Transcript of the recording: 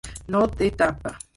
No té tapa.